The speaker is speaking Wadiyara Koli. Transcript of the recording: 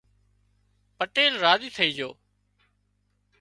پٽيل راضي ٿئي جھو